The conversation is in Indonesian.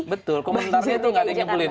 betul komentarnya itu nggak ada yang nyebelin